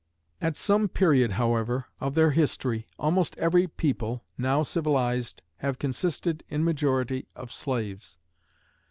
At some period, however, of their history, almost every people, now civilized, have consisted, in majority, of slaves.